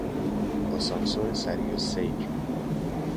آسانسور سری السیر